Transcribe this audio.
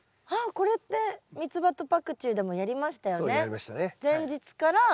ああこれってミツバとパクチーでもやりましたよね。